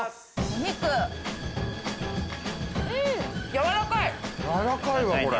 やらかいわこれ。